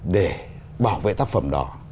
để bảo vệ tác phẩm đó